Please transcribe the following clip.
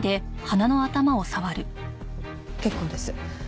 結構です。